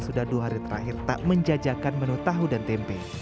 sudah dua hari terakhir tak menjajakan menu tahu dan tempe